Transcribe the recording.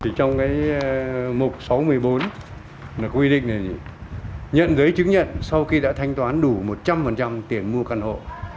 thì trong cái mục sáu mươi bốn là quy định này nhận giấy chứng nhận sau khi đã thanh toán đủ một trăm linh tiền mua căn hộ